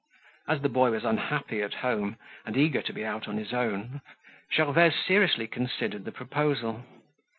As the boy was unhappy at home and eager to be out on his own, Gervaise seriously considered the proposal.